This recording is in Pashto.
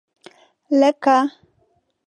لکه